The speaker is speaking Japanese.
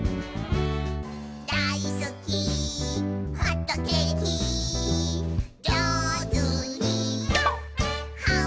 「だいすきホットケーキ」「じょうずにはんぶんこ！」